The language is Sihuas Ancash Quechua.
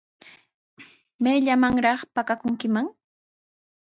¿Mayllamanraq pakakunkiman?